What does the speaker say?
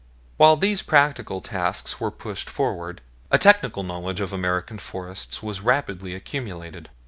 While these practical tasks were pushed forward, a technical knowledge of American Forests was rapidly accumulated.